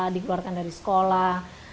dikeluarkan dari sekolah